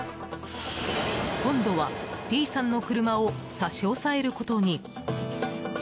今度は、Ｄさんの車を差し押さえることに。